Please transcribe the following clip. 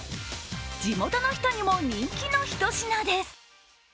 地元の人にも人気のひと品です。